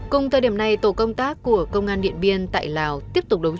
cùng thời điểm này tổ công tác của công an điện biên tại lào tiếp tục đấu tranh